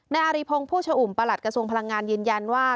อาริพงศ์ผู้ชอุ่มประหลัดกระทรวงพลังงานยืนยันว่า